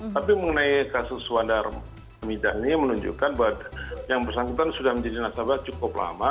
tapi mengenai kasus wandar midah ini menunjukkan bahwa yang bersangkutan sudah menjadi nasabah cukup lama